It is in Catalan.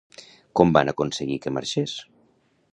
Com van aconseguir que marxés?